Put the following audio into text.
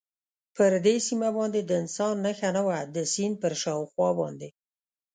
پر دې سیمه باندې د انسان نښه نه وه، د سیند پر شاوخوا باندې.